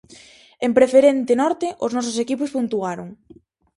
En Preferente norte, os nosos equipos puntuaron.